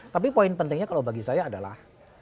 tapi poin pentingnya kalau bagi saya adalah